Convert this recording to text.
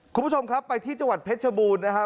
คุณผู้ชมครับไปที่จังหวัดเพชรชบูรณ์นะครับ